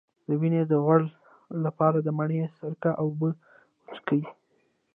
د وینې د غوړ لپاره د مڼې سرکه او اوبه وڅښئ